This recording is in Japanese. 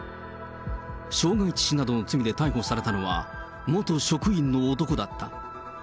傷害致死などの罪で逮捕されたのは、元職員の男だった。